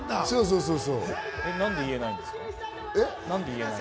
なんで言えないんですか？